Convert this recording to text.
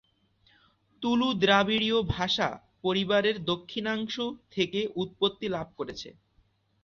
তুলু দ্রাবিড়ীয় ভাষা পরিবারের দক্ষিণাংশ থেকে উৎপত্তি লাভ করেছে।